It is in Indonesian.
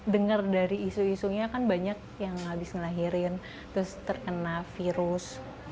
dengar dari isu isunya kan banyak yang habis ngelahirin terus terkena virus